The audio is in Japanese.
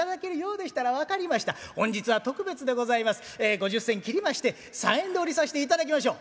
５０銭切りまして３円でお売りさせていただきましょう」。